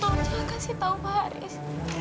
tolong jangan kasih tahu pak haris